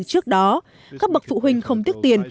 trước đó các bậc phụ huynh không tiếc tiền